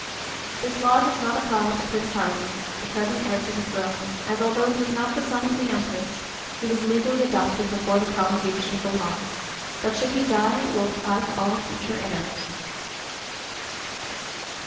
This law does not apply to Prince Haru, the present heir to the throne, as, although he is not the son of the Empress, he was legally adopted before the promulgation of the law; but should he die, it will apply to all future heirs.